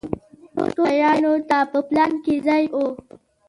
ټولو شیانو ته په پلان کې ځای و.